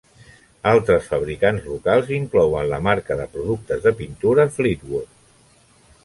Altres fabricants locals inclouen la marca de productes de pintura Fleetwood.